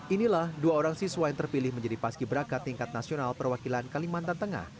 inilah dua orang siswa yang terpilih menjadi paski berakat tingkat nasional perwakilan kalimantan tengah